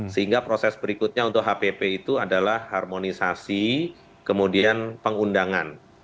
sehingga proses berikutnya untuk hpp itu adalah harmonisasi kemudian pengundangan